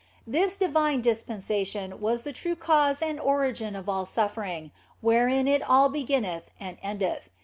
This divine dispensation was the true cause and origin of all suffering, wherein it all beginneth and endeth.